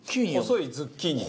細いズッキーニ。